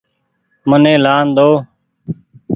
مني لآن ۮئو۔